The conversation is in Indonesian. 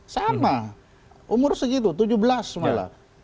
sama umur segitu tujuh belas malah